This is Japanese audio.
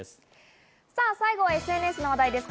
最後はＳＮＳの話題です。